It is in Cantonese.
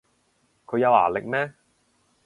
佢有牙力咩